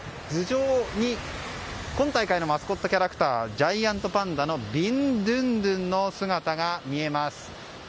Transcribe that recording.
頭上に今大会のマスコットキャラクタージャイアントパンダのビンドゥンドゥンの姿が見えます。